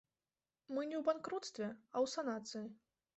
Мы не ў банкруцтве, а ў санацыі.